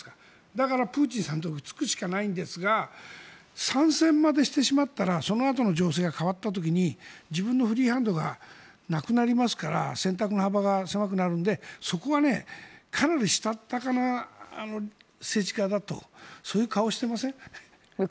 だから、プーチンさんのところにつくしかないんですが参戦までしてしまったらそのあとの情勢が変わった時に自分の選択の幅が狭くなるのでそこはかなりしたたかな接し方とそういう顔をしていません？